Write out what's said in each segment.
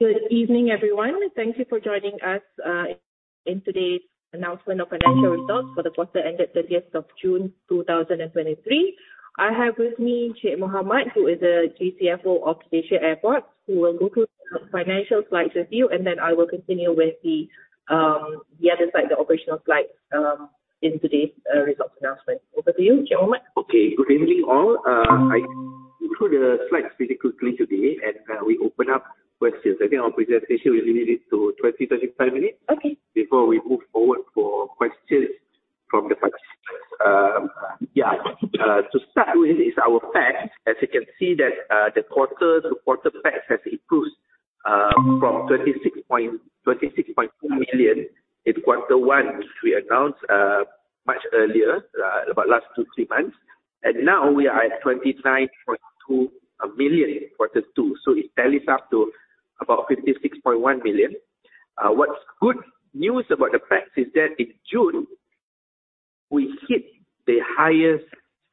Good evening, everyone, and thank you for joining us in today's announcement of financial results for the quarter ended 30th of June, 2023. I have with me Sheikh Mohammad, who is the GCFO of Malaysia Airports, who will go through the financial slides with you, and then I will continue with the other side, the operational slides, in today's results announcement. Over to you, Sheikh Mohammad. Okay. Good evening, all. I went through the slides pretty quickly today, and we open up questions. I think our presentation, we limit it to 20-25 minutes- Okay. Before we move forward for questions from the participants. Yeah. To start with is our pax. As you can see that, the quarter-to-quarter pax has improved, from 36.2 million in quarter one, which we announced much earlier, about last two, three months. And now we are at 29.2 million in quarter two, so it tallies up to about 56.1 million. What's good news about the pax is that in June, we hit the highest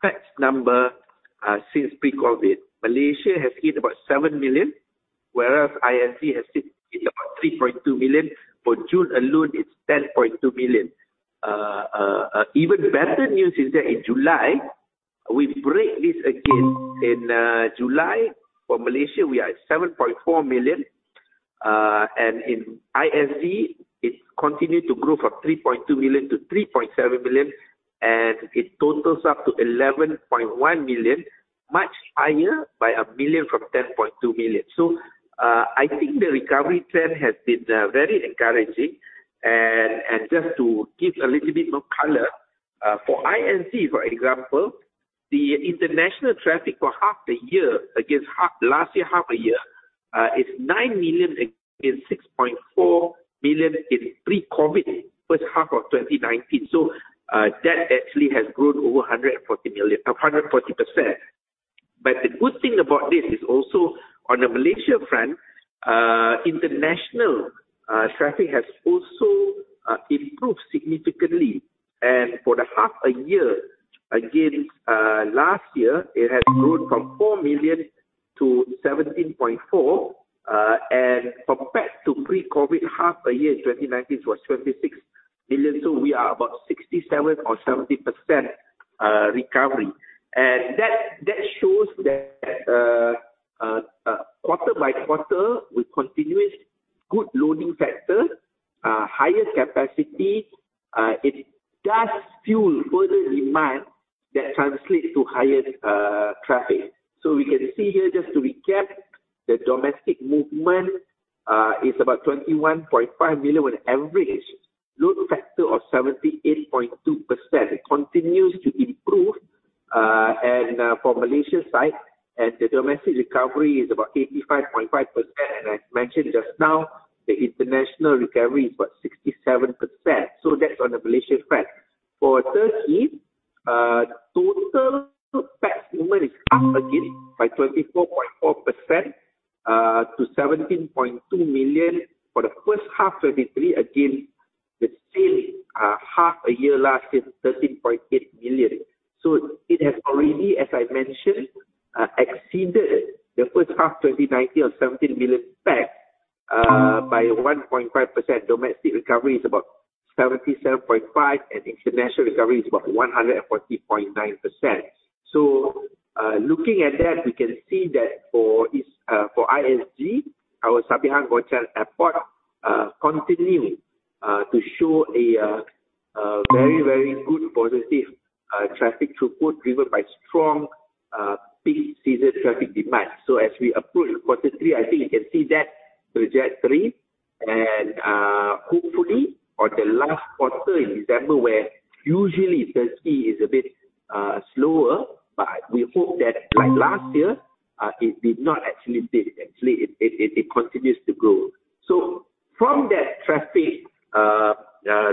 pax number since pre-COVID. Malaysia has hit about 7 million, whereas ISG has hit about 3.2 million. For June alone, it's 10.2 million. Even better news is that in July, we break this again. In July, for Malaysia, we are at 7.4 million. and in ISG, it continued to grow from 3.2 million-3.7 million, and it totals up to 11.1 million, much higher by 1 billion from 10.2 million. So, I think the recovery trend has been, very encouraging. And, and just to give a little bit more color, for ISG, for example, the international traffic for half the year against half-- last year, half a year, is 9 million against 6.4 million in pre-COVID, first half of 2019. So, that actually has grown over 140 million, hundred and forty percent. But the good thing about this is also, on the Malaysia front, international, traffic has also, improved significantly. For the half a year, against last year, it has grown from 4 million-17.4. Compared to pre-COVID half a year, 2019, was 26 million, so we are about 67 or 70% recovery. Quarter by quarter, we continuous good loading factor, higher capacity. It does fuel further demand that translates to higher traffic. We can see here, just to recap, the domestic movement is about 21.5 million, with average load factor of 78.2%. It continues to improve. For Malaysia side, the domestic recovery is about 85.5%. I mentioned just now, the international recovery is about 67%, so that's on the Malaysia front. For Turkey, total passengers is up again, by 24.4%, to 17.2 million for the first half 2023. Again, the same half a year last year, 13.8 million. So it has already, as I mentioned, exceeded the first half, 2019, of 17 million passengers, by 1.5%. Domestic recovery is about 77.5%, and international recovery is about 140.9%. So, looking at that, we can see that for is, for ISG, our Sabiha Gökçen Airport, continue to show a very, very good positive traffic throughput, driven by strong peak season traffic demand. So as we approach quarter three, I think you can see that trajectory. Hopefully, on the last quarter in December, where usually Turkey is a bit slower, but we hope that, like last year, it did not actually dip. Actually, it continues to grow. So from that traffic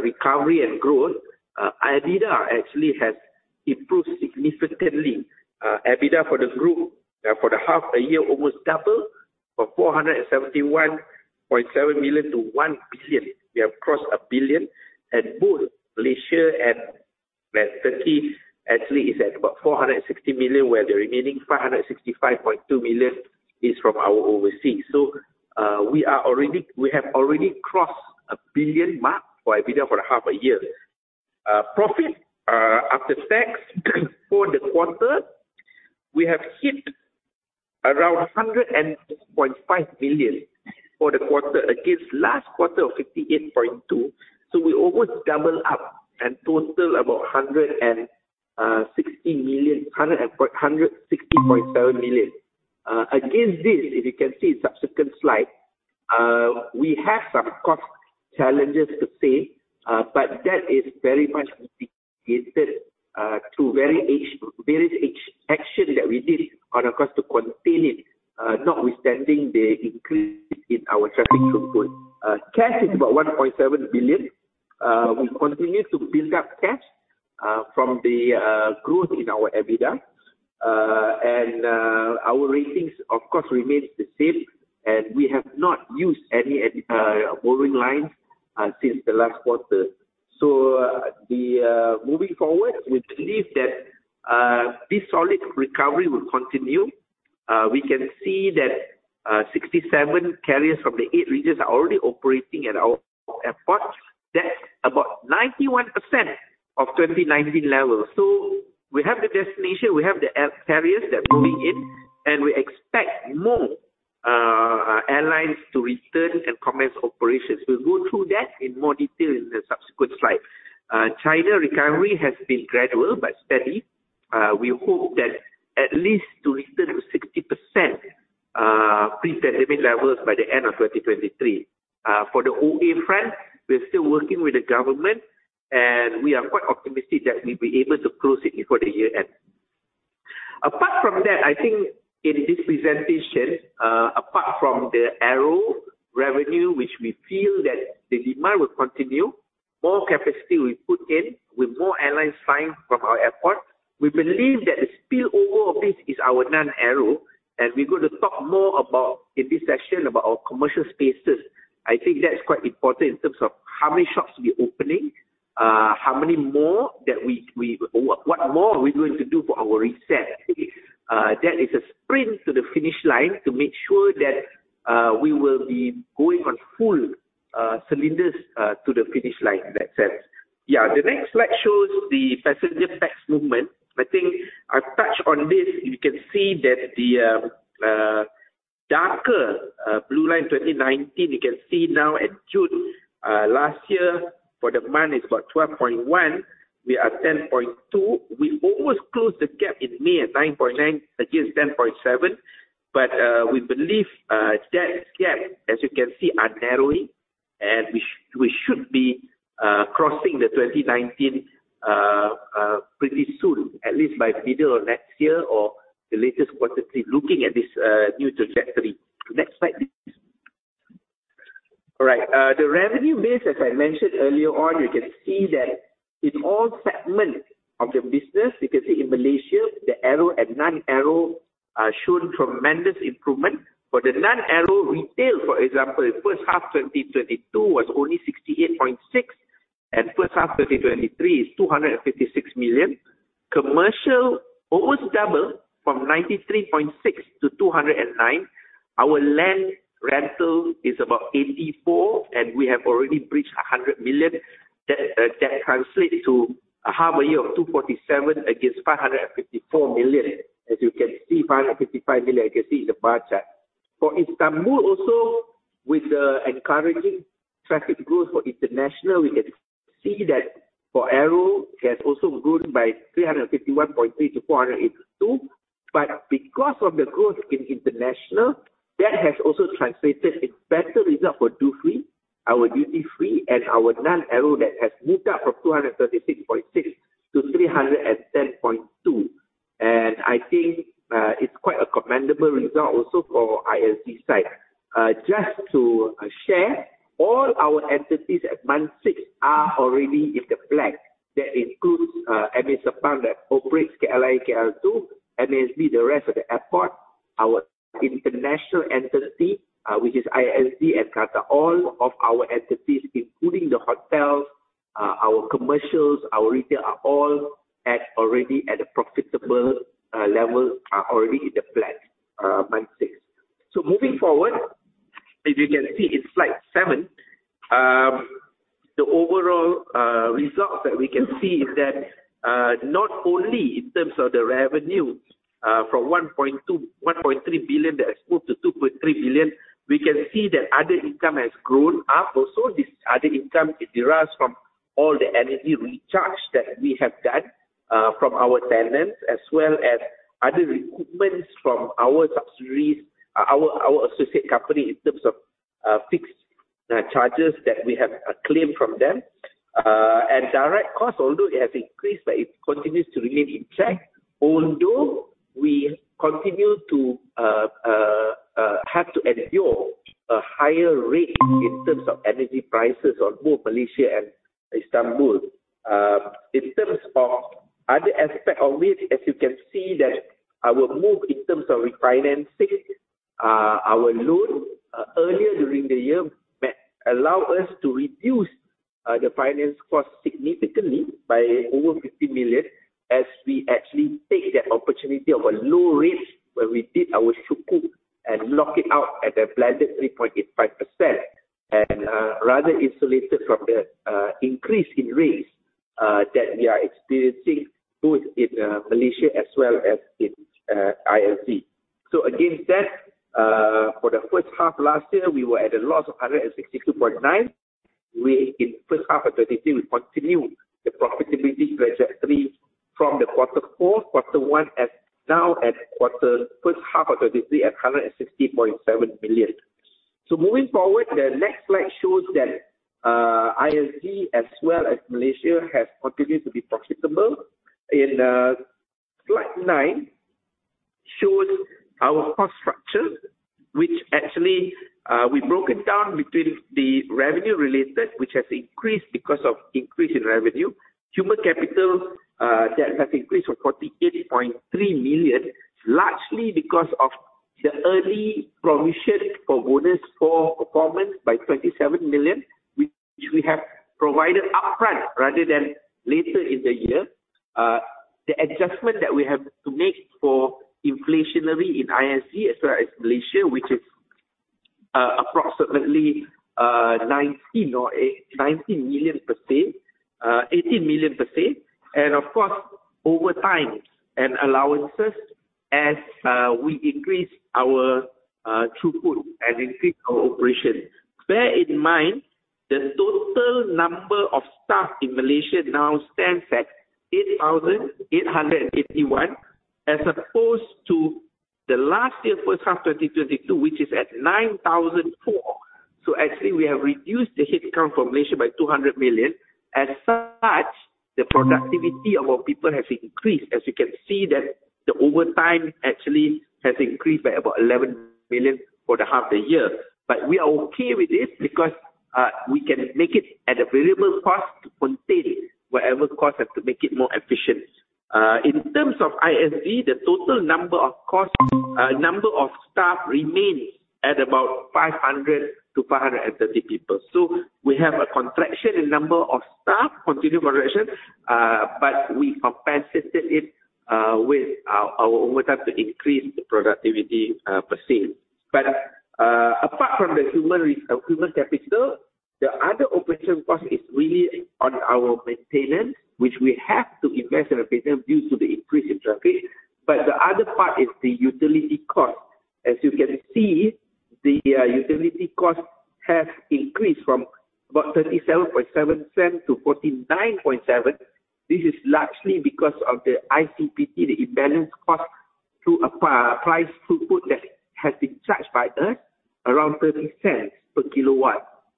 recovery and growth, EBITDA actually has improved significantly. EBITDA for the group, for the half a year, almost double, from 471.7 million-1 billion. We have crossed a billion. And both Malaysia and, well, Turkey actually is at about 460 million, where the remaining 565.2 million is from our overseas. So, we have already crossed a billion mark for EBITDA for the half a year. Profit after tax for the quarter, we have hit around 100.5 million for the quarter, against last quarter of 58.2 million. So we almost double up and total about 160 million, 160.7 million. Against this, if you can see in subsequent slide, we have some cost challenges to say, but that is very much mitigated through very various action that we did on our cost to contain it, notwithstanding the increase in our traffic throughput. Cash is about 1.7 billion. We continue to build up cash from the growth in our EBITDA. And our ratings, of course, remains the same, and we have not used any borrowing lines since the last quarter. So, moving forward, we believe that this solid recovery will continue. We can see that 67 carriers from the eight regions are already operating at our airports. That's about 91% of 2019 levels. So we have the destination, we have the air carriers that are moving in, and we expect more airlines to return and commence operations. We'll go through that in more detail in the subsequent slide. China recovery has been gradual but steady. We hope that at least to return to 60% pre-pandemic levels by the end of 2023. For the OA front, we're still working with the government, and we are quite optimistic that we'll be able to close it before the year end. Apart from that, I think in this presentation, apart from the aero revenue, which we feel that the demand will continue, more capacity we put in, with more airlines flying from our airport. We believe that the spillover of this is our non-aero, and we're going to talk more about, in this section, about our commercial spaces. I think that's quite important in terms of how many shops we're opening, how many more that we—what more are we going to do for our reset? That is a sprint to the finish line to make sure that we will be going on full cylinders to the finish line, in that sense. Yeah. The next slide shows the passenger pax movement. I think I've touched on this. You can see that the darker blue line, 2019, you can see now at June last year, for the month is about 12.1. We are at 10.2. We almost closed the gap in May at 9.9 against 10.7. But we believe that gap, as you can see, are narrowing, and we should be crossing the 2019 pretty soon, at least by middle of next year or the latest quarter three, looking at this new trajectory. Next slide, please. All right. The revenue base, as I mentioned earlier on, you can see that in all segments of the business, you can see in Malaysia, the aero and non-aero shown tremendous improvement. For the non-aero, retail, for example, first half 2022 was only 68.6 million, and first half 2023 is 256 million. Commercial, almost double from 93.6 million-209 million. Our land rental is about 84 million, and we have already breached 100 million. That, that translates to a half year of 247 million against 554 million. As you can see, 555 million, you can see in the bar chart. For Istanbul, also, with the encouraging traffic growth for international, we can see that for aero, it has also grown by 351.3 million to 482 million. But because of the growth in international, that has also translated in better result for duty free, our duty free and our non-aero that has moved up from 236.6-310.2. And I think, it's quite a commendable result also for ISG side. Just to share, all our entities at month six are already in the black. That includes, MA Sepang, that operates KLIA, KLIA2, MASB, the rest of the airport, our international entity, which is ISG and Gateway. All of our entities, including the hotels, our commercials, our retail, are all at already at a profitable, level, are already in the black, month six. So moving forward, as you can see in slide 7, the overall results that we can see is that not only in terms of the revenue from 1.2-1.3 billion, that has moved to 2.3 billion, we can see that other income has grown up. Also, this other income, it derives from all the energy recharge that we have done from our tenants, as well as other recoupments from our subsidiaries, our associate company, in terms of fixed charges that we have claimed from them. And direct costs, although it has increased, but it continues to remain in check, although we continue to have to endure a higher rate in terms of energy prices on both Malaysia and Istanbul. In terms of other aspect of it, as you can see, that our move in terms of refinancing, our loan, earlier during the year, allow us to reduce, the finance cost significantly by over 50 million, as we actually take that opportunity of a low rate when we did our sukuk and lock it out at a blended 3.85%. And, rather insulated from the, increase in rates, that we are experiencing both in, Malaysia as well as in, Turkey. So against that, for the first half last year, we were at a loss of 162.9 million. In first half of 2023, we continue the profitability trajectory from the quarter four, quarter one, and now at quarter, first half of 2023 at 160.7 million. Moving forward, the next slide shows that ISG, as well as Malaysia, has continued to be profitable. In slide nine, shows our cost structure, which actually we broke it down between the revenue related, which has increased because of increase in revenue. Human capital that has increased from 48.3 million, largely because of the early provision for bonus for performance by 27 million, which we have provided upfront rather than later in the year. The adjustment that we have to make for inflationary in ISG as well as Malaysia, which is approximately 19 or 18, 19 million per se, 18 million per se, and of course, over time and allowances as we increase our throughput and increase our operation. Bear in mind, the total number of staff in Malaysia now stands at 8,881, as opposed to the last year, first half, 2022, which is at 9,004. So actually, we have reduced the headcount from Malaysia by 200 million. As such, the productivity of our people has increased. As you can see that the overtime actually has increased by about 11 million for the half the year. But we are okay with this because, we can make it at a variable cost to contain whatever cost, and to make it more efficient. In terms of ISG, the total number of costs, number of staff remains at about 500-530 people. So we have a contraction in number of staff, continued moderation, but we compensated it with our, our overtime to increase the productivity per se. But apart from the human capital, the other operational cost is really on our maintenance, which we have to invest in replacement due to the increase in traffic. But the other part is the utility cost. As you can see, the utility cost has increased from about 37.7 sen-49.7 sen. This is largely because of the ICPT, the imbalance cost pass-through that has been charged by us, around 30 sen per kW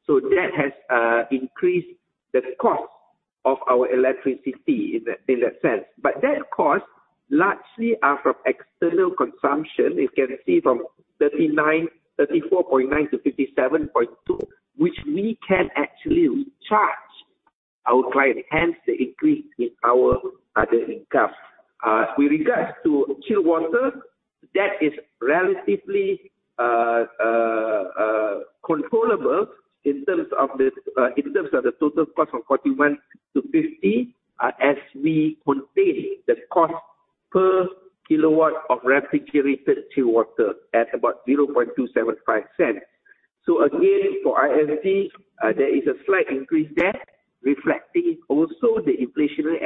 So that has increased the cost of our electricity in that, in that sense. But that cost largely are from external consumption. You can see from 39, 34.9-57.2, which we can actually recharge our client, hence the increase in our other income. With regards to chilled water, that is relatively, controllable in terms of the, in terms of the total cost from 41-50, as we contain the cost per kilowatt of refrigerated chilled water at about 0.275 sen. So again, for ISG, there is a slight increase there, reflecting also the inflationary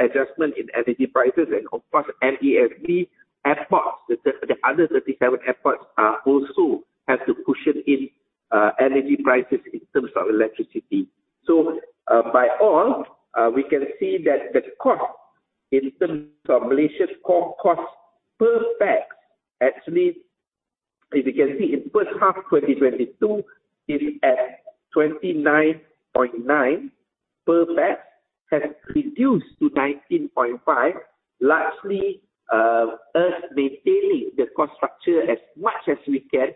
adjustment in energy prices and, of course, MASB airports. The other 37 airports, also have to push it in, energy prices in terms of electricity. So, overall, we can see that the cost in terms of Malaysia's core cost per pax, actually, as you can see, in the first half 2022, is at 29.9 per pax, has reduced to 19.5, largely, us maintaining the cost structure as much as we can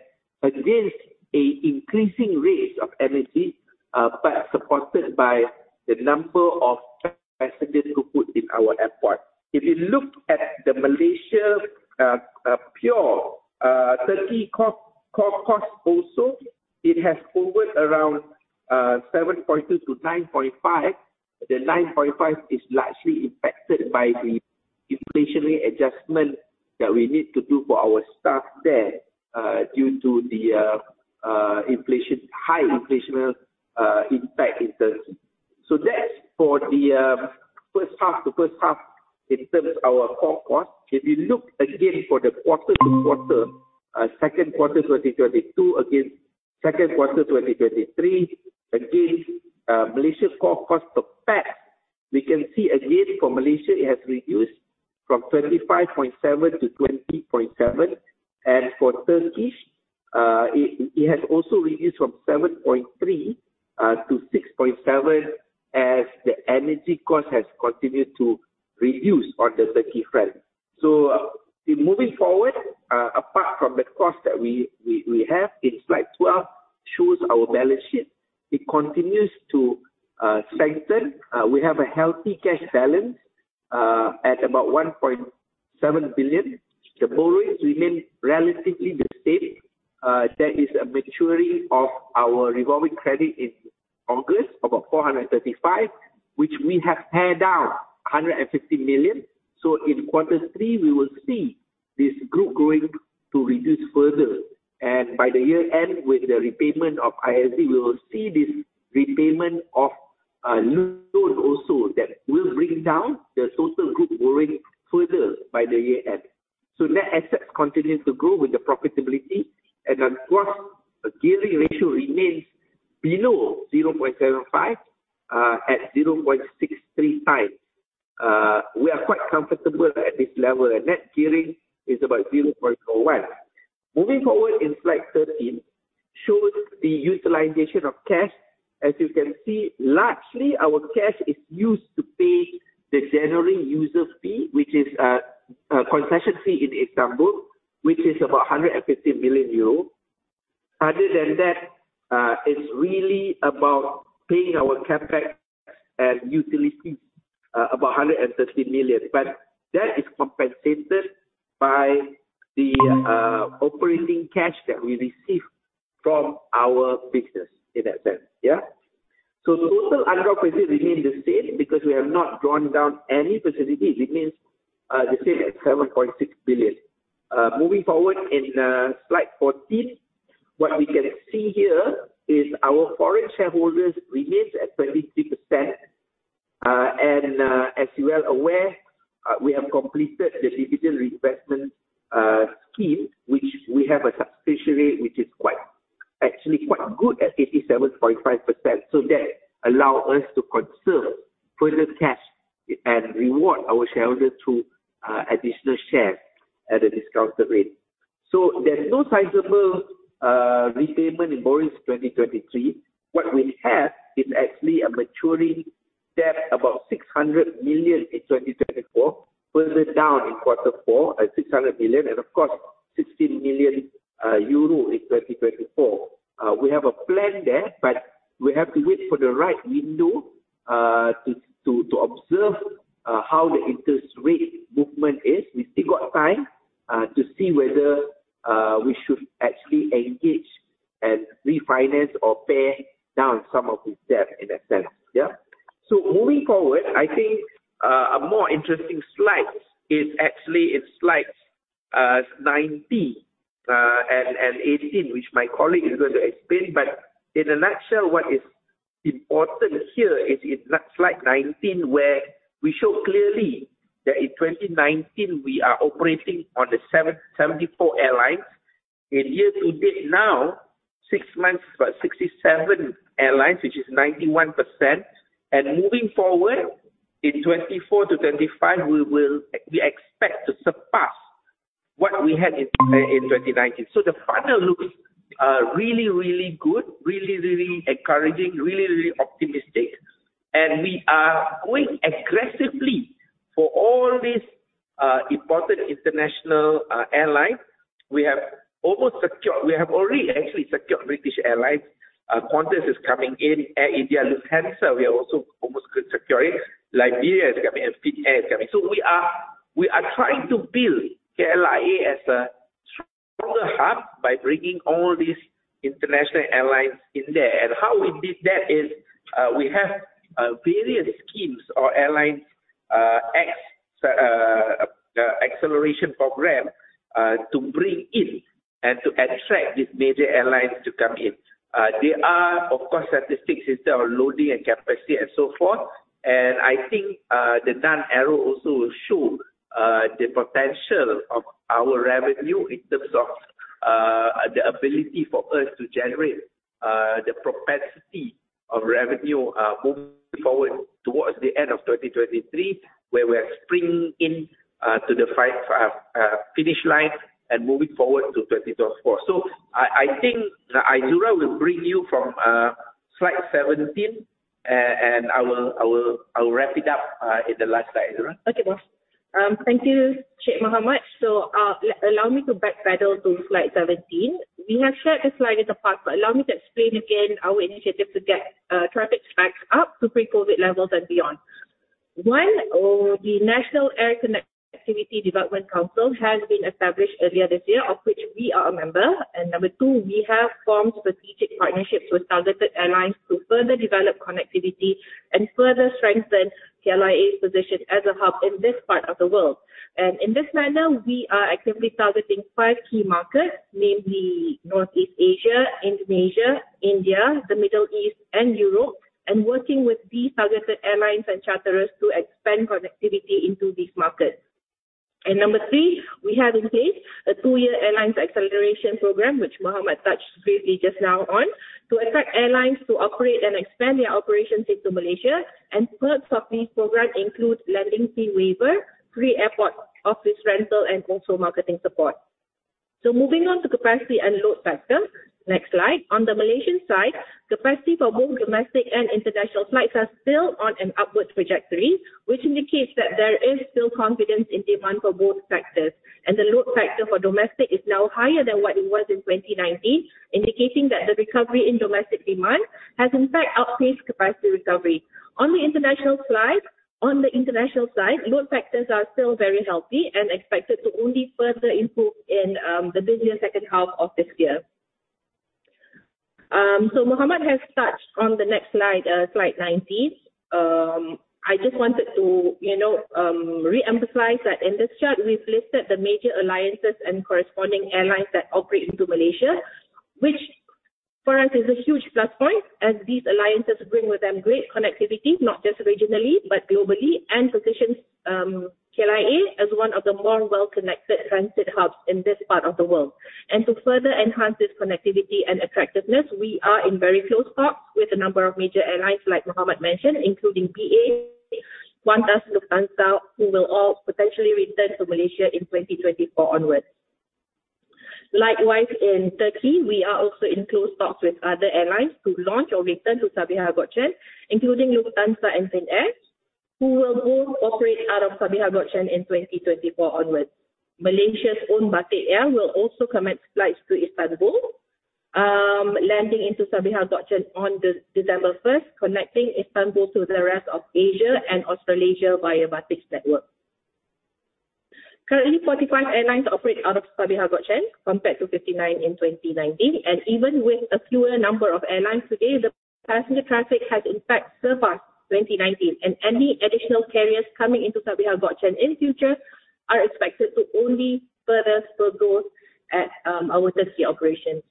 against increasing rates of energy, but supported by the number of passenger throughput in our airport. If you look at the Malaysian and Turkey core costs also, it has hovered around 7.2-9.5. The 9.5 is largely impacted by the inflationary adjustment that we need to do for our staff there, due to the inflation, high inflationary impact in terms. So that's for the first half to first half in terms of our core cost. If you look again for the quarter-to-quarter, second quarter 2022 against second quarter 2023, again, Malaysia's core cost per pax, we can see again, for Malaysia, it has reduced from 35.7-20.7. And for Turkish, it has also reduced from 7.3-6.7, as the energy cost has continued to reduce on the Turkey front. So, moving forward, apart from the cost that we have in slide 12, shows our balance sheet. It continues to strengthen. We have a healthy cash balance at about 1.7 billion. The borrowings remain relatively the same. There is a maturity of our revolving credit in August, about 435 million, which we have paid down 150 million. So in quarter three, we will see this group going to reduce further, and by the year end, with the repayment of ISG, we will see this repayment of loan also. That will bring down the total group borrowing further by the year end. So net assets continue to grow with the profitability, and of course, the gearing ratio remains below 0.75 at 0.63X. We are quite comfortable at this level, and net gearing is about 0.01. Moving forward in slide 13, shows the utilization of cash. As you can see, largely, our cash is used to pay the general user fee, which is concession fee in Istanbul, which is about 150 million euro. Other than that, it's really about paying our CapEx and utilities, about 150 million. But that is compensated by the operating cash that we receive from our business in that sense. Yeah? So total undrawn facilities remain the same because we have not drawn down any facilities. It remains the same at 7.6 billion. Moving forward in slide 14, what we can see here is our foreign shareholders remains at 23%. And as you are well aware, we have completed the dividend reinvestment scheme, which we have a subscription rate, which is quite, actually quite good at 87.5%. So that allow us to conserve further cash and reward our shareholders through additional shares at a discounted rate. So there is no sizable repayment in borrowings 2023. What we have is actually a maturing debt, about 600 million in 2024, further down in quarter four, at 600 million, and of course, 16 million euro in 2024. We have a plan there, but we have to wait for the right window to observe how the interest rate movement is. We still got time to see whether we should actually engage and refinance or pay down some of this debt in a sense. Yeah. So moving forward, I think a more interesting slide is actually in slide 19 and 18, which my colleague is going to explain. But in a nutshell, what is important here is in slide 19, where we show clearly that in 2019, we are operating on the 774 airlines. In year-to-date now, six months, about 67 airlines, which is 91%. Moving forward, in 2024 to 2025, we will, we expect to surpass what we had in, in 2019. So the funnel looks, really, really good, really, really encouraging, really, really optimistic. And we are going aggressively for all these, important international, airlines. We have almost secured-- We have already actually secured British Airways. Qantas is coming in. Air India, Lufthansa, we are also almost secure. Iberia is coming, and Fiji Airways is coming. So we are, we are trying to build KLIA as a stronger hub by bringing all these international airlines in there. And how we did that is, we have, various schemes or Airlines Acceleration Program, to bring in and to attract these major airlines to come in. There are of course, statistics in terms of loading and capacity and so forth. I think, the down arrow also will show the potential of our revenue in terms of the ability for us to generate the propensity of revenue moving forward towards the end of 2023, where we are sprinting into the 5 finish line and moving forward to 2024. So I think, Nazura will bring you from slide 17, and I will wrap it up in the last slide, Nazura. Okay, boss. Thank you, Sheikh Mohammad. So, allow me to backpedal to slide 17. We have shared this slide in the past, but allow me to explain again our initiative to get traffic spikes up to pre-COVID levels and beyond. One, the National Air Connectivity Development Council has been established earlier this year, of which we are a member. And number 2, we have formed strategic partnerships with targeted airlines to further develop connectivity and further strengthen KLIA's position as a hub in this part of the world. And in this manner, we are actively targeting 5 key markets, namely Northeast Asia, Indonesia, India, the Middle East, and Europe, and working with these targeted airlines and charterers to expand connectivity into these markets. And number three, we have in place a two-year Airlines Acceleration Program, which Mohammed touched briefly just now on, to attract airlines to operate and expand their operations into Malaysia. And perks of this program includes landing fee waiver, free airport office rental, and also marketing support. So moving on to capacity and load factor. Next slide. On the Malaysian side, capacity for both domestic and international flights are still on an upward trajectory, which indicates that there is still confidence in demand for both factors. And the load factor for domestic is now higher than what it was in 2019, indicating that the recovery in domestic demand has in fact outpaced capacity recovery. On the international side, load factors are still very healthy and expected to only further improve in the busier second half of this year. So Mohammad has touched on the next slide, slide 19. I just wanted to, you know, reemphasize that in this chart, we've listed the major alliances and corresponding airlines that operate into Malaysia, which for us is a huge plus point, as these alliances bring with them great connectivity, not just regionally, but globally, and positions KLIA as one of the more well-connected transit hubs in this part of the world. And to further enhance this connectivity and attractiveness, we are in very close talks with a number of major airlines, like Mohammad mentioned, including BA, Qantas, Lufthansa, who will all potentially return to Malaysia in 2024 onwards. Likewise, in Turkey, we are also in close talks with other airlines to launch or return to Sabiha Gökçen, including Lufthansa and Finnair who will both operate out of Sabiha Gökçen in 2024 onwards. Malaysia's own Batik Air will also commence flights to Istanbul, landing into Sabiha Gökçen on December first, connecting Istanbul to the rest of Asia and Australasia via Batik's network. Currently, 45 airlines operate out of Sabiha Gökçen, compared to 59 in 2019, and even with a fewer number of airlines today, the passenger traffic has in fact surpassed 2019, and any additional carriers coming into Sabiha Gökçen in future are expected to only further spur growth at our Turkey operations.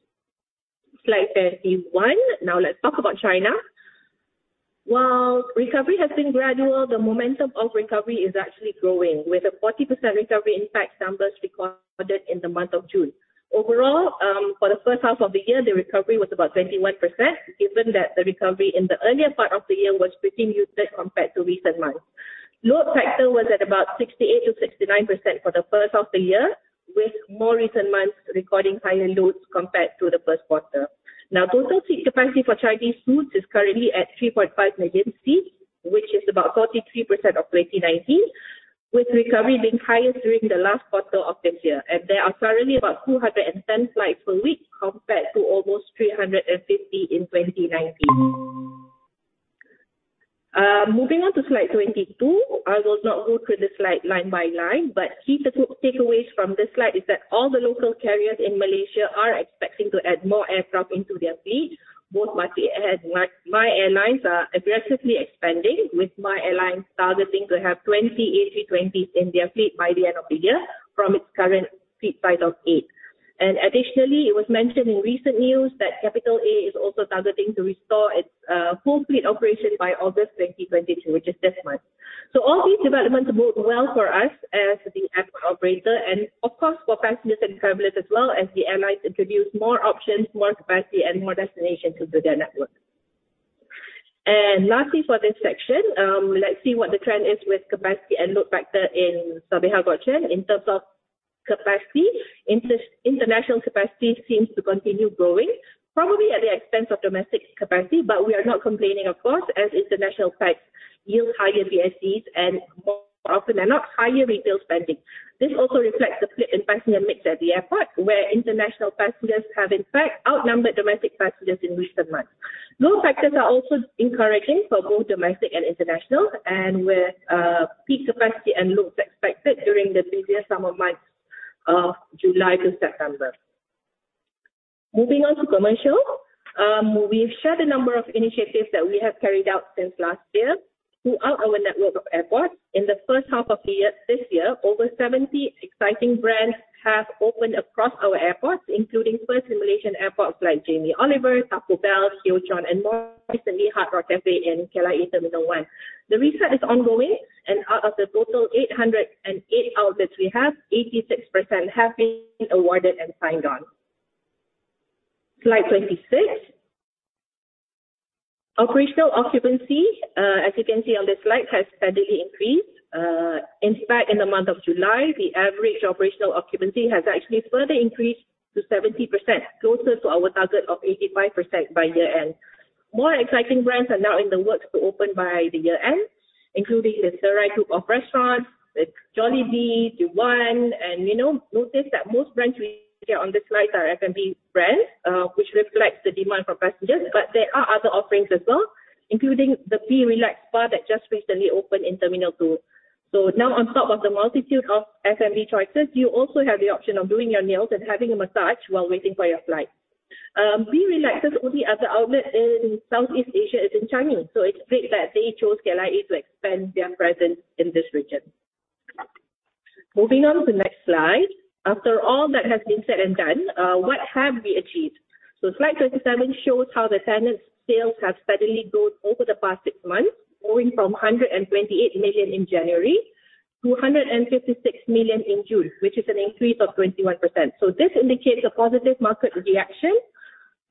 Slide 31. Now let's talk about China. While recovery has been gradual, the momentum of recovery is actually growing, with a 40% recovery, in fact, numbers recorded in the month of June. Overall, for the first half of the year, the recovery was about 21%, given that the recovery in the earlier part of the year was pretty muted compared to recent months. Load factor was at about 68%-69% for the first half of the year, with more recent months recording higher loads compared to the first quarter. Now, total seat capacity for Chinese routes is currently at 3.5 million seats, which is about 43% of 2019, with recovery being highest during the last quarter of this year. And there are currently about 210 flights per week, compared to almost 350 in 2019. Moving on to slide 22, I will not go through the slide line by line, but key takeaways from this slide is that all the local carriers in Malaysia are expecting to add more aircraft into their fleet. Both Batik and MYAirlines are aggressively expanding, with MYAirlines targeting to have 20 A320s in their fleet by the end of the year from its current fleet size of 8. And additionally, it was mentioned in recent news that Capital A is also targeting to restore its full fleet operation by August 2022, which is this month. So all these developments bode well for us as the airport operator and, of course, for passengers and travelers as well, as the airlines introduce more options, more capacity and more destinations to build their network. And lastly, for this section, let's see what the trend is with capacity and load factor in Sabiha Gökçen. In terms of capacity, international capacity seems to continue growing, probably at the expense of domestic capacity. But we are not complaining, of course, as international flights yield higher PSCs and, more often than not, higher retail spending. This also reflects the split in passenger mix at the airport, where international passengers have in fact outnumbered domestic passengers in recent months. Load factors are also encouraging for both domestic and international, and with peak capacity and loads expected during the busier summer months of July to September. Moving on to commercial. We've shared a number of initiatives that we have carried out since last year throughout our network of airports. In the first half of the year, this year, over 70 exciting brands have opened across our airports, including first Malaysian airports like Jamie Oliver, Taco Bell, Yo! China, and more recently, Hard Rock Cafe in KLIA Terminal 1. The reset is ongoing, and out of the total 808 outlets we have, 86% have been awarded and signed on. Slide 26. Operational occupancy, as you can see on this slide, has steadily increased. In fact, in the month of July, the average operational occupancy has actually further increased to 70%, closer to our target of 85% by year-end. More exciting brands are now in the works to open by the year-end, including the Serai Group of Restaurants, with Jollibee, Diwan, and notice that most brands we share on this slide are F&B brands, which reflects the demand for passengers. But there are other offerings as well, including the Be Relax spa that just recently opened in Terminal 2. So now, on top of the multitude of F&B choices, you also have the option of doing your nails and having a massage while waiting for your flight. Be Relax's only other outlet in Southeast Asia is in China, so it's great that they chose KLIA to expand their presence in this region. Moving on to the next slide. After all that has been said and done, what have we achieved? So slide 27 shows how the tenants' sales have steadily grown over the past six months, growing from 128 million in January to 156 million in June, which is an increase of 21%. So this indicates a positive market reaction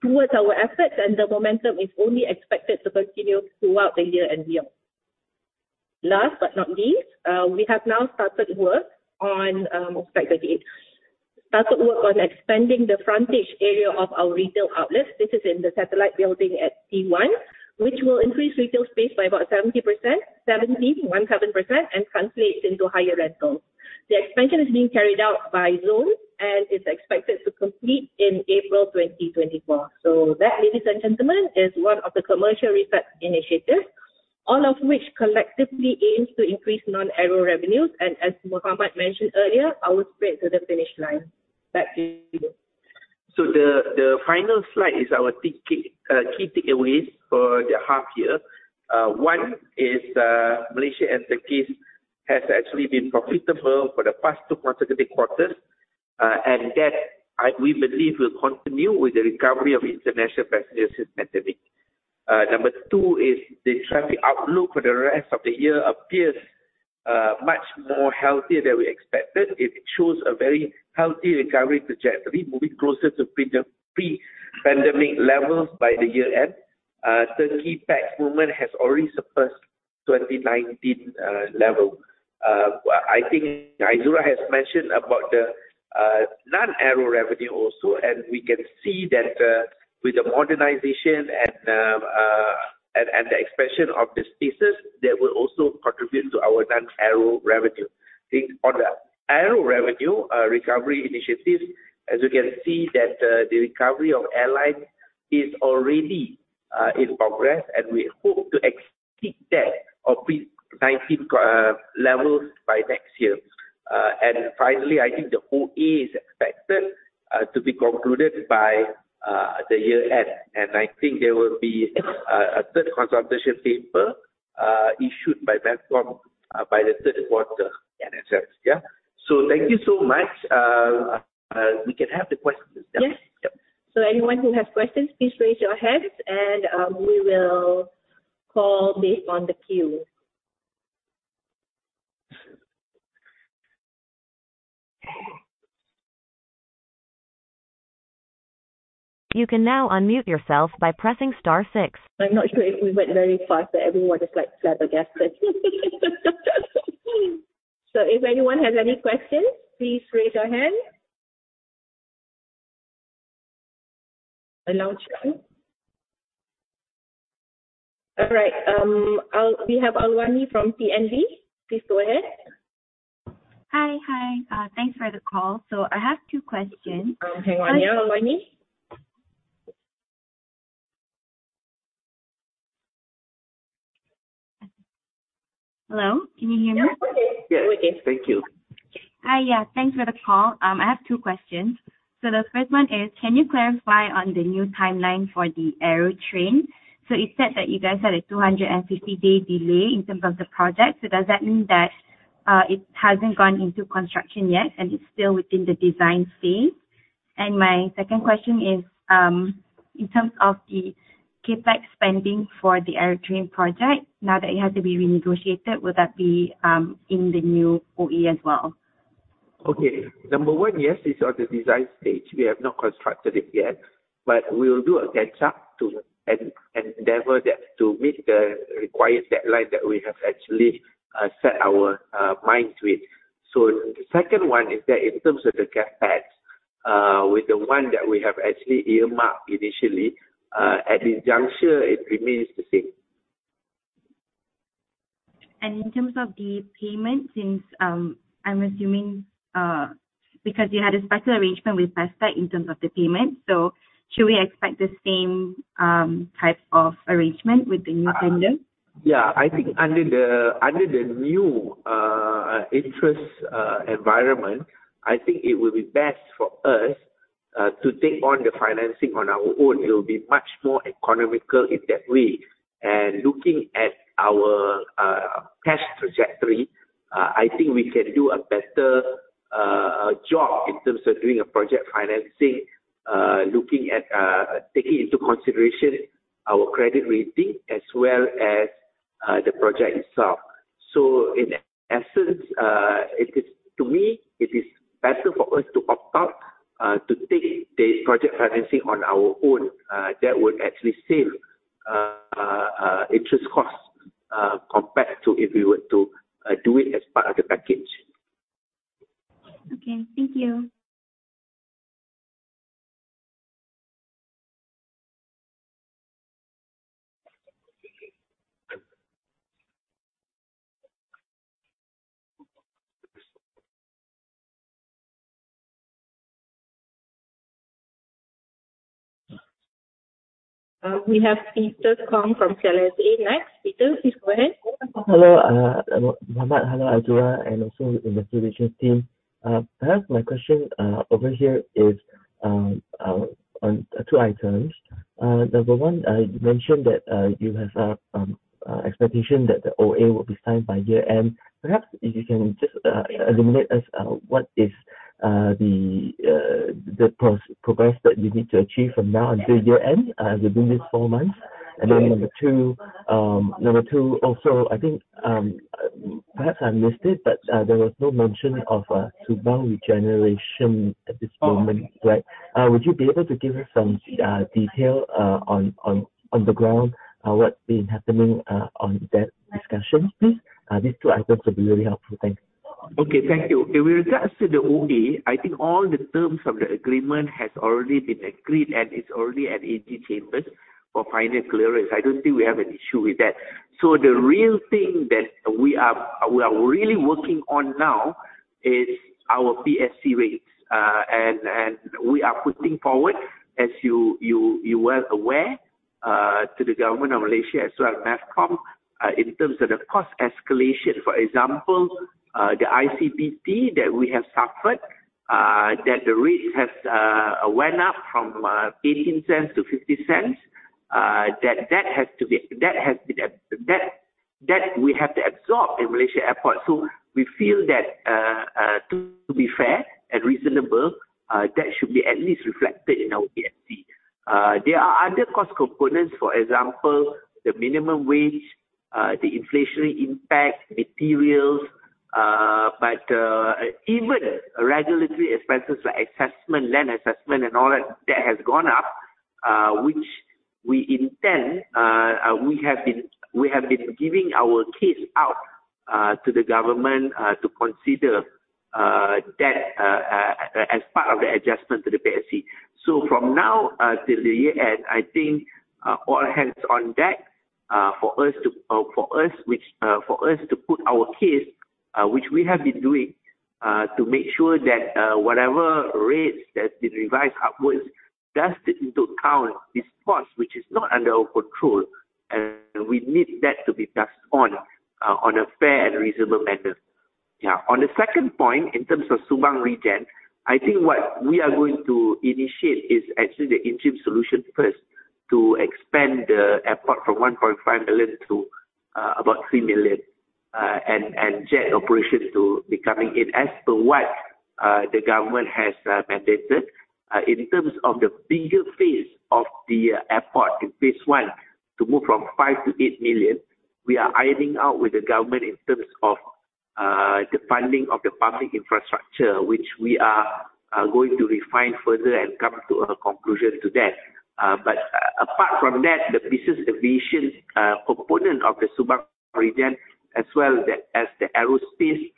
towards our efforts, and the momentum is only expected to continue throughout the year and beyond. Last but not least, we have now started work on slide 38, expanding the frontage area of our retail outlets. This is in the satellite building at T1, which will increase retail space by about 70%, and translates into higher rentals. The expansion is being carried out by The Zon and is expected to complete in April 2024. So that, ladies and gentlemen, is one of the commercial reset initiatives, all of which collectively aims to increase non-aero revenues, and as Mohammed mentioned earlier, our sprint to the finish line. Back to you. So the final slide is our three key takeaways for the half year. One is, Malaysia and Turkey has actually been profitable for the past two consecutive quarters, and that we believe will continue with the recovery of international passengers since pandemic. Number two is the traffic outlook for the rest of the year appears much more healthier than we expected. It shows a very healthy recovery trajectory, moving closer to pre-pandemic levels by the year-end. Turkey pax movement has already surpassed 2019 level. Well, I think Aizura has mentioned about the non-aero revenue also, and we can see that, with the modernization and the and the expansion of the spaces, that will also contribute to our non-aero revenue. Now on the aero revenue recovery initiatives, as you can see that the recovery of airlines is already in progress, and we hope to exceed that pre-19 levels by next year. And finally, I think the OA is expected to be concluded by the year-end, and I think there will be a third consultation paper issued by MAHB by the third quarter. Yeah. So thank you so much. We can have the questions now. Yes. Yep. Anyone who has questions, please raise your hands, and we will call based on the queue. You can now unmute yourself by pressing star six. I'm not sure if we went very fast, but everyone is, like, flabbergasted. So if anyone has any questions, please raise your hand. And now, Sharon. All right, we have Alwani from PNB. Please go ahead. Hi. Hi, thanks for the call. So I have two questions. Hang on now, Alwani. Hello, can you hear me? Yeah, we can. Yeah, we can. Thank you. Hi, yeah, thanks for the call. I have two questions. So the first one is, can you clarify on the new timeline for the Aerotrain? So it said that you guys had a 250-day delay in terms of the project. So does that mean that it hasn't gone into construction yet, and it's still within the design phase? And my second question is, in terms of the CapEx spending for the Aerotrain project, now that it has to be renegotiated, will that be in the new OA as well? Okay. Number one, yes, it's on the design stage. We have not constructed it yet, but we will do a catch up to and endeavor that to meet the required deadline that we have actually set our mind to it. So the second one is that in terms of the CapEx, with the one that we have actually earmarked initially, at this juncture, it remains the same. In terms of the payment, since I'm assuming because you had a special arrangement with Pestech in terms of the payment, so should we expect the same type of arrangement with the new vendor? Yeah, I think under the new interest environment, I think it would be best for us to take on the financing on our own. It will be much more economical in that way. Looking at our past trajectory, I think we can do a better job in terms of doing a project financing, looking at taking into consideration our credit rating as well as the project itself. So in essence, it is, to me, it is better for us to opt out to take the project financing on our own. That would actually save interest costs compared to if we were to do it as part of the package. Okay. Thank you. We have Peter Kong from KLSA next. Peter, please go ahead. Hello, Mohammad. Hello, Aizura, and also investor relations team. Perhaps my question over here is on two items. Number one, you mentioned that you have a expectation that the OA will be signed by year-end. Perhaps you can just illuminate us what is the progress that you need to achieve from now until year-end within this four months? Yeah. And then number 2, also, I think, perhaps I missed it, but there was no mention of a Subang Regeneration at this moment, right? Oh. Would you be able to give us some detail on the ground what's been happening on that discussion, please? These two items would be really helpful. Thanks. Okay. Thank you. In regards to the OA, I think all the terms of the agreement has already been agreed, and it's already at AG Chambers for final clearance. I don't think we have an issue with that. So the real thing that we are really working on now is our PSC rates. And we are putting forward, as you were aware, to the government of Malaysia, as well as MAHB, in terms of the cost escalation. For example, the ICPT that we have suffered, that the rates has went up from 18 cents to 50 cents, that we have to absorb in Malaysia Airports. So we feel that to be fair and reasonable, that should be at least reflected in our PSC. There are other cost components, for example, the minimum wage, the inflationary impact, materials, but even regulatory expenses like assessment, land assessment, and all that, that has gone up, which we intend, we have been, we have been giving our case out to the government to consider that as part of the adjustment to the PSC. So from now till the year end, I think, all hands on deck for us to, for us, which, for us to put our case, which we have been doing, to make sure that whatever rates that's been revised upwards does take into account this cost, which is not under our control, and we need that to be passed on on a fair and reasonable manner. Yeah. On the second point, in terms of Subang Regeneration, I think what we are going to initiate is actually the interim solution first, to expand the airport from 1.5 million to about 3 million, and jet operations to becoming it. As per what the government has mandated, in terms of the bigger phase of the airport in phase one, to move from 5-8 million, we are ironing out with the government in terms of the funding of the public infrastructure, which we are going to refine further and come to a conclusion to that. But apart from that, the business aviation component of the Subang Regeneration, as well as the aerospace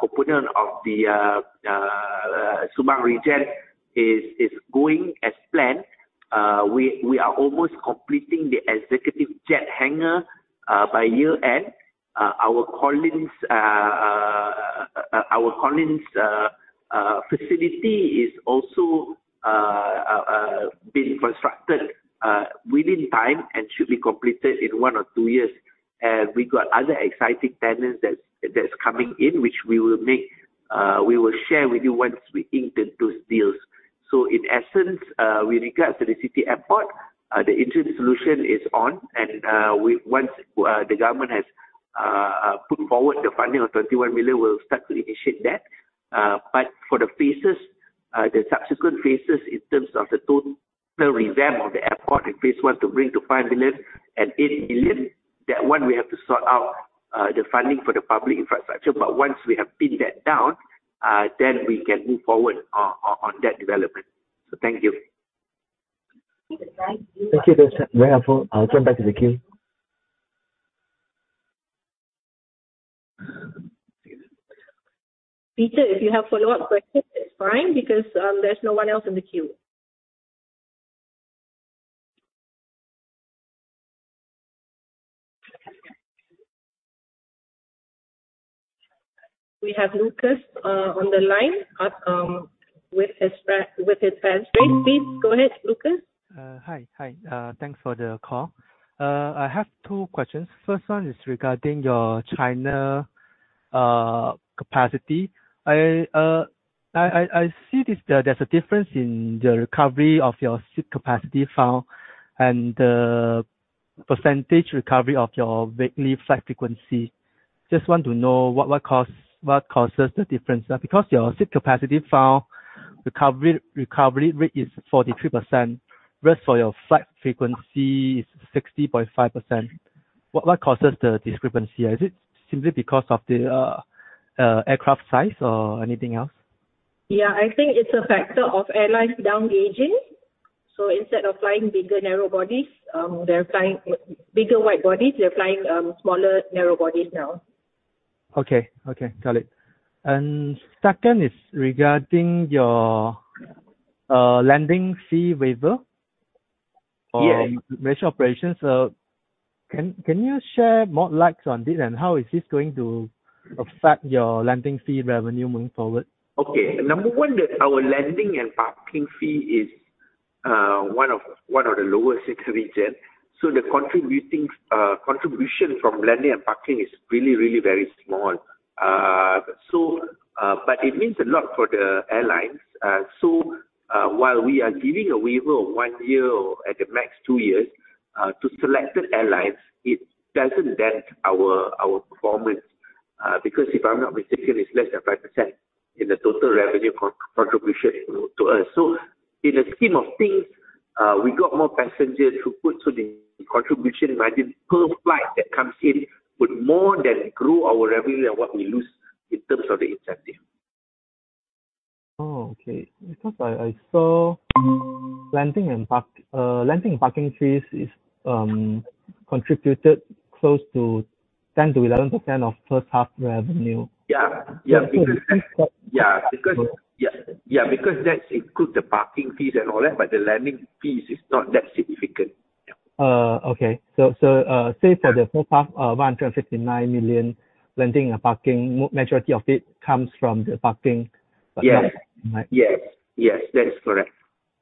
component of the Subang Regeneration is going as planned. We are almost completing the executive jet hangar by year end. Our Collins facility is also being constructed within time and should be completed in one or two years. We got other exciting tenants that's coming in, which we will share with you once we ink those deals. So in essence, with regards to the city airport, the interim solution is on, and once the government has put forward the funding of 21 million, we'll start to initiate that. But for the phases, the subsequent phases in terms of the total revamp of the airport in phase one to bring to 5 million and 8 million, that one we have to sort out the funding for the public infrastructure. But once we have pinned that down, then we can move forward on that development. So thank you. Thank you, that's very helpful. I'll turn back to the queue. Peter, if you have follow-up questions, it's fine, because there's no one else in the queue. We have Lucas on the line with his question. Please, go ahead, Lucas. Hi. Hi, thanks for the call. I have two questions. First one is regarding your China capacity. I see this, there's a difference in the recovery of your seat capacity found and the percentage recovery of your weekly flight frequency. Just want to know what causes the difference? Because your seat capacity found recovery rate is 43%, whereas for your flight frequency is 60.5%. What causes the discrepancy? Is it simply because of the aircraft size or anything else? Yeah, I think it's a factor of airlines down gauging. So instead of flying bigger narrow bodies, they're flying bigger wide bodies, they're flying smaller narrow bodies now. Okay. Okay, got it. And second is regarding your landing fee waiver- Yes. For commercial operations. Can you share more light on this, and how is this going to affect your landing fee revenue moving forward? Okay. Number one, is our landing and parking fee is one of the lowest in the region, so the contribution from landing and parking is really, really very small. So, but it means a lot for the airlines. So, while we are giving a waiver of one year or at the max two years to selected airlines, it doesn't dent our performance, because if I'm not mistaken, it's less than 5% in the total revenue contribution to us. So in the scheme of things, we got more passenger throughput, so the contribution margin per flight that comes in would more than grow our revenue and what we lose in terms of the incentive. Oh, okay. Because I saw landing and parking fees is contributed close to 10%-11% of first-half revenue. Yeah. Yeah, because- So- Yeah, because, yeah. Yeah, because that includes the parking fees and all that, but the landing fees is not that significant. Yeah. Okay. So, say for the first half, 159 million, landing and parking, majority of it comes from the parking? Yes. Right. Yes. Yes, that is correct.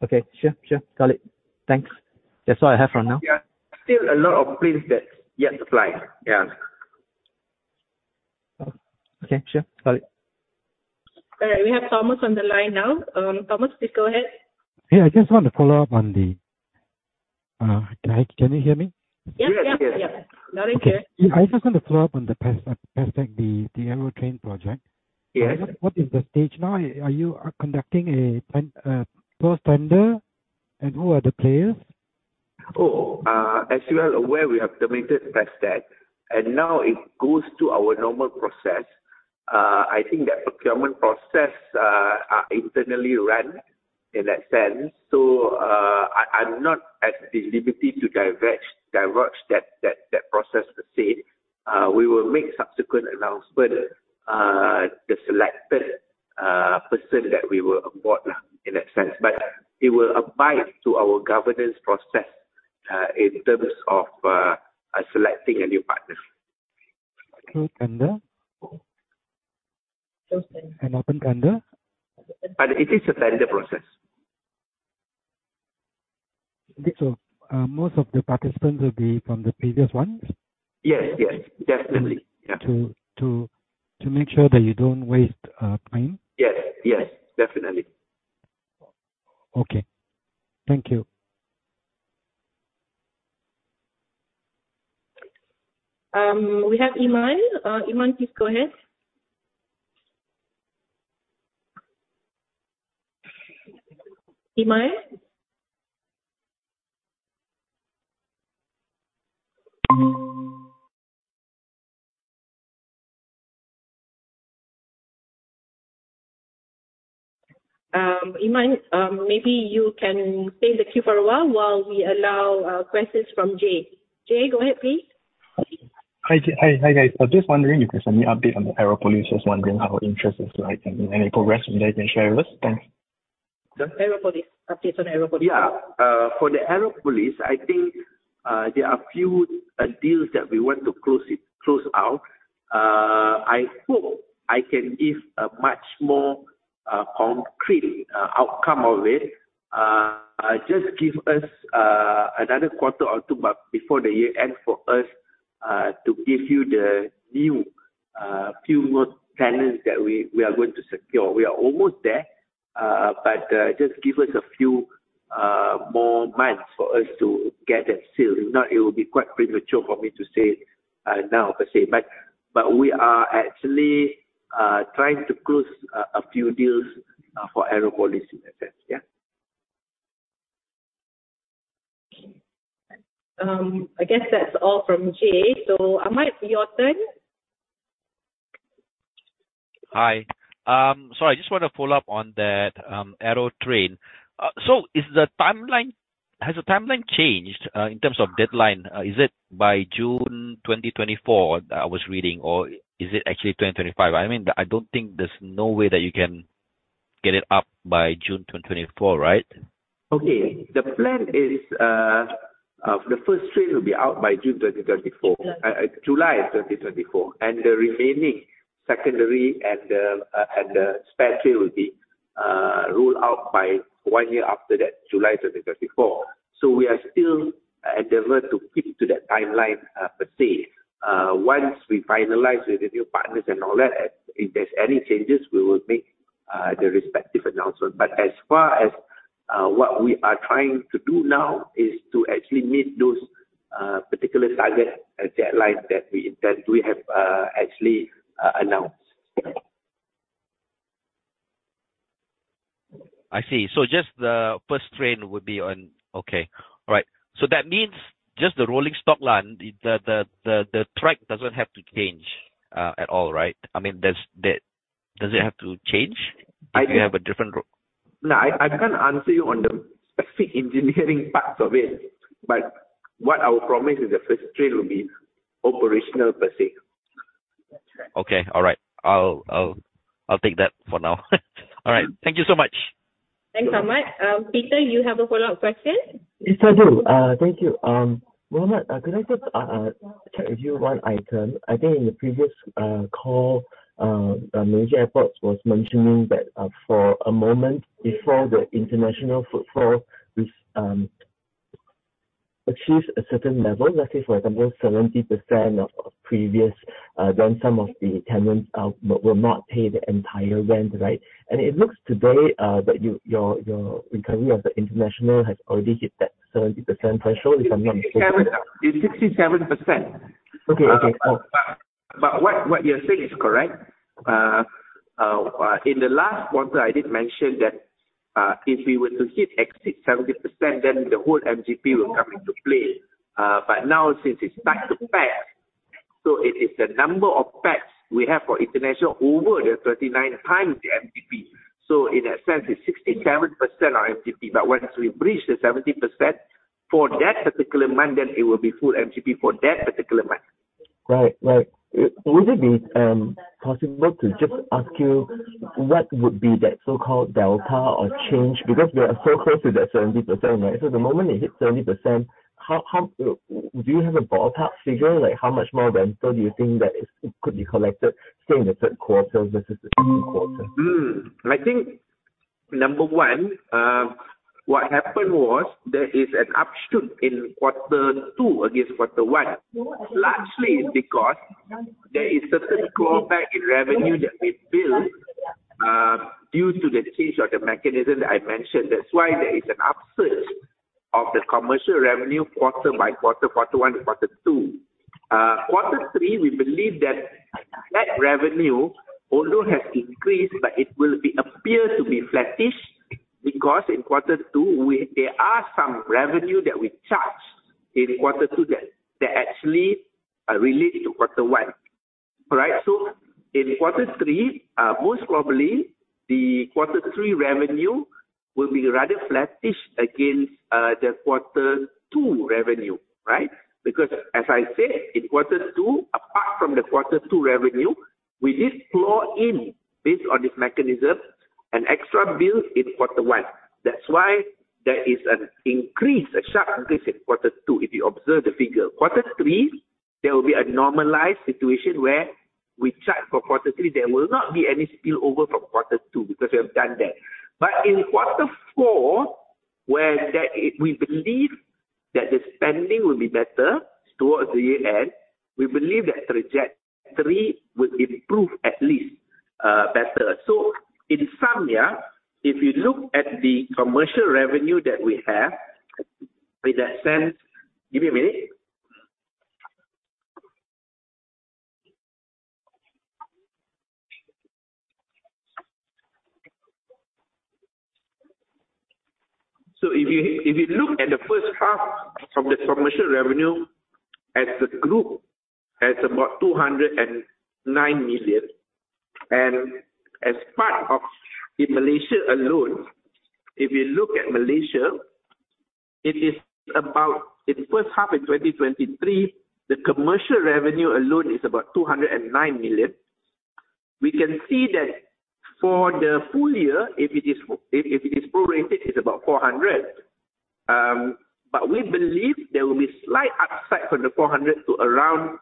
Okay, sure, sure. Got it. Thanks. That's all I have for now. There are still a lot of planes that's yet to fly. Yeah. Okay, sure. Got it. All right, we have Thomas on the line now. Thomas, please go ahead. Yeah, I just want to follow up on the... Can you hear me? Yep. Yes. Yeah. Loud and clear. Okay. I just want to follow up on the past, like, the Aerotrain project. Yes. What is the stage now? Are you conducting a ten close tender, and who are the players?... Oh, as you are aware, we have terminated Fastac, and now it goes to our normal process. I think that procurement process are internally run, in that sense. So, I'm not at the liberty to diverge that process per se. We will make subsequent announcement the selected person that we will onboard, in that sense. But it will abide to our governance process in terms of selecting a new partner. Okay, tender. An open tender? It is a tender process. So, most of the participants will be from the previous ones? Yes. Yes, definitely. Yeah. To make sure that you don't waste time? Yes. Yes, definitely. Okay. Thank you. We have Iman. Iman, please go ahead. Iman? Iman, maybe you can stay in the queue for a while, while we allow questions from Jay. Jay, go ahead, please. Hi, hi, guys. I'm just wondering if there's any update on the Aeropolis. Just wondering how our interest is, like, any progress that you can share with us? Thanks. The Aeropolis. Update on Aeropolis. Yeah. For the Aeropolis, I think there are a few deals that we want to close it, close out. I hope I can give a much more concrete outcome of it. Just give us another quarter or two, but before the year ends for us to give you the new few more tenants that we, we are going to secure. We are almost there, but just give us a few more months for us to get that sealed. If not, it will be quite premature for me to say now, per se. But, but we are actually trying to close a few deals for Aeropolis, in that sense. Yeah. I guess that's all from Jay. So, Ahmad, your turn. Hi. So I just want to follow up on that, Aerotrain. So is the timeline... Has the timeline changed, in terms of deadline? Is it by June 2024, I was reading, or is it actually 2025? I mean, I don't think there's no way that you can get it up by June 2024, right? Okay. The plan is, the first train will be out by June 2024, July 2024. And the remaining secondary and the, and the spare train will be, ruled out by one year after that, July 2024. So we are still endeavor to fit to that timeline, per se. Once we finalize with the new partners and all that, if there's any changes, we will make, the respective announcement. But as far as, what we are trying to do now is to actually meet those, particular target and deadlines that we, that we have, actually, announced. I see. So just the first train would be on... Okay. All right. So that means just the rolling stock line, the track doesn't have to change at all, right? I mean, does the- does it have to change- I think- If you have a different route? No, I, I can't answer you on the specific engineering parts of it, but what I will promise is the first train will be operational per se. Okay. All right. I'll take that for now. All right. Thank you so much. Thanks, Ahmad. Peter, you have a follow-up question? Yes, I do. Thank you. Mohammad, can I just check with you one item? I think in the previous call, Malaysia Airports was mentioning that, for a moment before the international footfall was achieve a certain level, let's say, for example, 70% of previous, then some of the tenants will not pay the entire rent, right? And it looks today that your recovery of the international has already hit that 70%. So I'm sure if I'm not mistaken- It's 67%. Okay. Okay, oh. But what you're saying is correct. In the last quarter, I did mention that if we were to hit exceed 70%, then the whole MGP will come into play. But now, since it's back to pax, so it is the number of pax we have for international over the 39 times the MGP. So in that sense, it's 67% of MGP, but once we reach the 70% for that particular month, then it will be full MGP for that particular month. Right. Right. Would it be possible to just ask you what would be that so-called delta or change? Because we are so close to that 70%, right? So the moment it hits 70%, how... Do you have a ballpark figure? Like, how much more rental do you think that is- could be collected, say, in the third quarter versus the second quarter? I think, number one, what happened was there is an upshot in quarter two against quarter one. Largely, it's because there is certain drawback in revenue that we built due to the change of the mechanism that I mentioned. That's why there is an upsurge of the commercial revenue quarter by quarter, quarter one to quarter two. Quarter three, we believe that that revenue although has increased, but it will be appear to be flattish, because in quarter two, we, there are some revenue that we charged in quarter two that, that actually relate to quarter one. Right? So in quarter three, most probably the quarter three revenue will be rather flattish against the quarter two revenue, right? Because as I said, in quarter two, apart from the quarter two revenue, we did flow in based on this mechanism, an extra bill in quarter one. That's why there is an increase, a sharp increase in quarter two, if you observe the figure. Quarter three, there will be a normalized situation where we charge for quarter three. There will not be any spillover from quarter two, because we have done that. But in quarter four, we believe that the spending will be better towards the year end, we believe that trajectory will improve at least, better. So in summary, if you look at the commercial revenue that we have, in that sense... Give me a minute. So if you, if you look at the first half of the commercial revenue, as the group, has about 209 million, and as part of in Malaysia alone, if you look at Malaysia, it is about, in the first half of 2023, the commercial revenue alone is about 209 million. We can see that for the full year, if it is, if, if it is prorated, it's about 400 million. But we believe there will be slight upside from the 400 million to around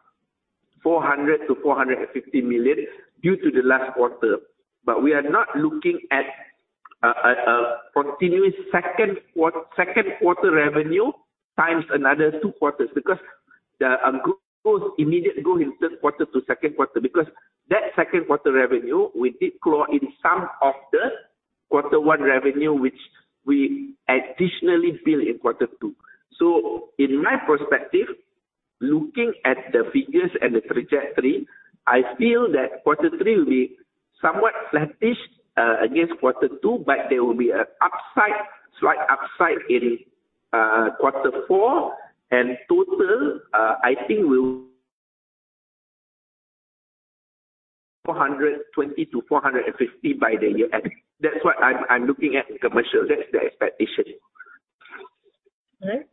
400-450 million due to the last quarter. But we are not looking at a continuous second quarter revenue times another two quarters, because the immediate growth in first quarter to second quarter, because that second quarter revenue, we did claw in some of the quarter one revenue, which we additionally bill in quarter two. So in my perspective, looking at the figures and the trajectory, I feel that quarter three will be somewhat flattish against quarter two, but there will be an upside, slight upside in quarter four, and total I think will 420-450 by the year end. That's what I'm looking at commercial. That's the expectation. All right.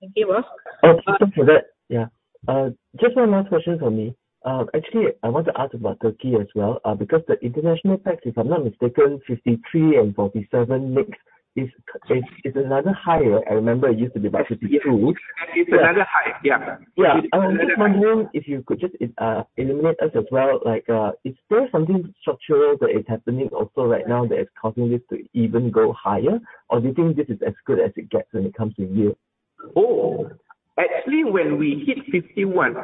Thank you, Mark. Okay, thanks for that. Yeah. Just one last question for me. Actually, I want to ask about Turkey as well, because the international pax, if I'm not mistaken, 53-47 mix, is another higher. I remember it used to be about 52. It's another high. Yeah. Yeah. Just wondering if you could just illuminate us as well, like, is there something structural that is happening also right now that is causing this to even go higher? Or do you think this is as good as it gets when it comes to yield? Actually, when we hit 51,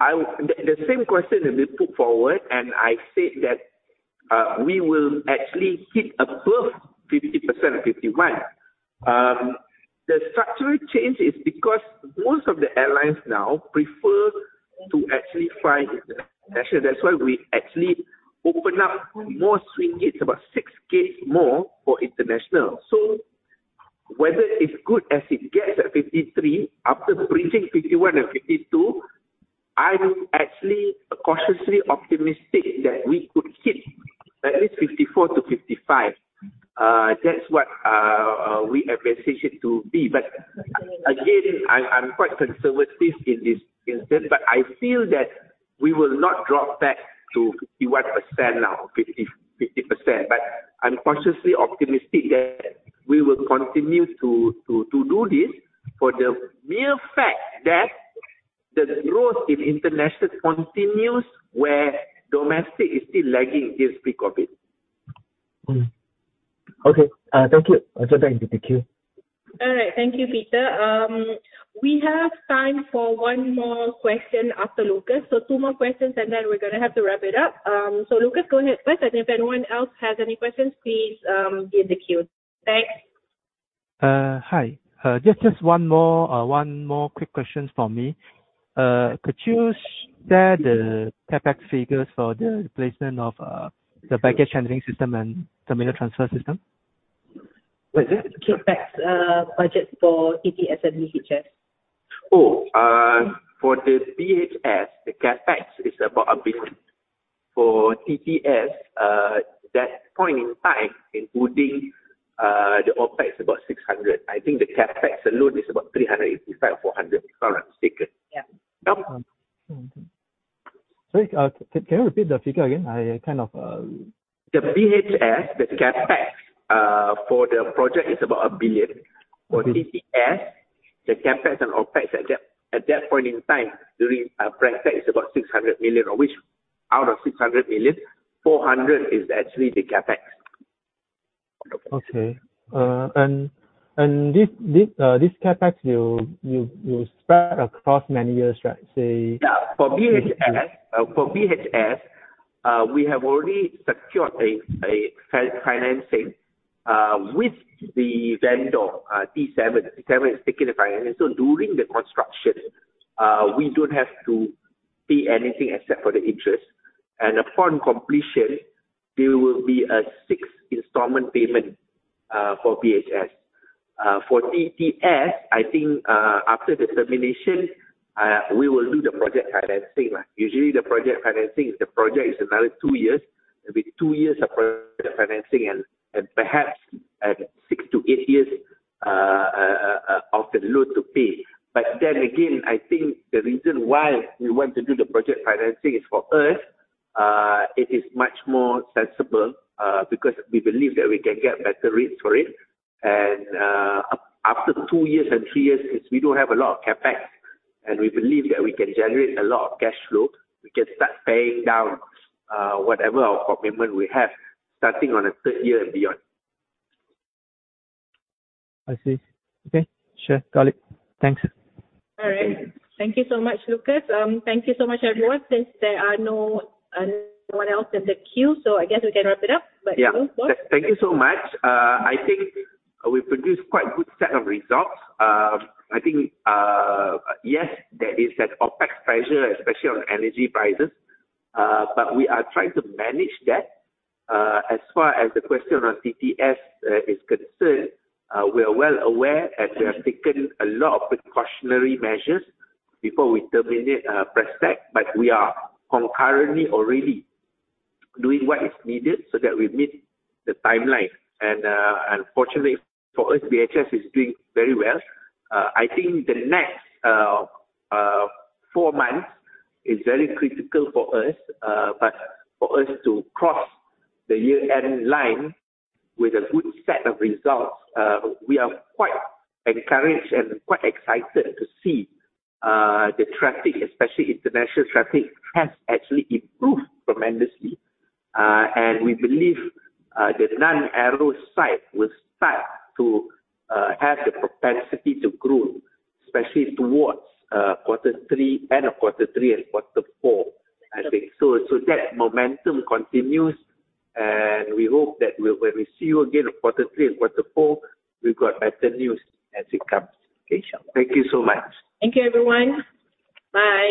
the same question has been put forward, and I said that we will actually hit above 50% or 51. The structural change is because most of the airlines now prefer to actually fly international. That's why we actually open up more swing gates, about six gates more for international. So whether it's good as it gets at 53, after bridging 51 and 52, I'm actually cautiously optimistic that we could hit at least 54%-55%. That's what we anticipate it to be. But again, I'm quite conservative in this instance, but I feel that we will not drop back to 51% now, 50, 50%. But I'm cautiously optimistic that we will continue to do this for the mere fact that the growth in international continues, where domestic is still lagging since COVID. Okay. Thank you. Also, thank you. Thank you. All right. Thank you, Peter. We have time for one more question after Lucas. So two more questions, and then we're gonna have to wrap it up. So Lucas, go ahead first, and if anyone else has any questions, please, be in the queue. Thanks. Hi. Just one more quick question for me. Could you share the CapEx figures for the replacement of the baggage handling system and terminal transfer system? What's that? CapEx budget for TTS and BHS. For the BHS, the CapEx is about 1 billion. For TTS, that point in time, including the OpEx, about 600 million. I think the CapEx alone is about 385 million-400 million, if I'm not mistaken. Yeah. Sorry, can you repeat the figure again? I kind of, The BHS, the CapEx for the project is about 1 billion. Mm-hmm. For TTS, the CapEx and OpEx at that point in time during practice is about 600 million, of which out of 600 million, 400 million is actually the CapEx. Okay. And this CapEx, you spread across many years, right? Say- Yeah. For BHS, we have already secured a financing with the vendor, T7. T7 is taking the finance. So during the construction, we don't have to pay anything except for the interest. And upon completion, there will be a six installment payment for BHS. For TTS, I think, after the termination, we will do the project financing. Usually, the project financing, if the project is another two years, it'll be two years of project financing and perhaps six to eight years of the loan to pay. But then again, I think the reason why we want to do the project financing is for us, it is much more sensible, because we believe that we can get better rates for it. After two years and three years, is we don't have a lot of CapEx, and we believe that we can generate a lot of cash flow. We can start paying down, whatever commitment we have, starting on the third year and beyond. I see. Okay, sure, got it. Thanks. All right. Thank you so much, Lucas. Thank you so much, everyone. Since there are no, no one else in the queue, so I guess we can wrap it up. But- Yeah. Boss. Thank you so much. I think we produced quite a good set of results. I think, yes, there is that OpEx pressure, especially on energy prices, but we are trying to manage that. As far as the question on TTS is concerned, we are well aware, and we have taken a lot of precautionary measures before we terminate Pressac. But we are concurrently already doing what is needed so that we meet the timeline. Unfortunately, for us, BHS is doing very well. I think the next 4 months is very critical for us, but for us to cross the year-end line with a good set of results, we are quite encouraged and quite excited to see the traffic, especially international traffic, has actually improved tremendously. And we believe, the non-aero side will start to, have the propensity to grow, especially towards, quarter three, end of quarter three and quarter four, I think. So, so that momentum continues, and we hope that we, when we see you again in quarter three and quarter four, we've got better news as it comes. Okay, sure. Thank you so much. Thank you, everyone. Bye.